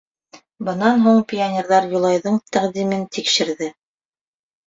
Бынан һуң пионерҙар Юлайҙың тәҡдимен тикшерҙе.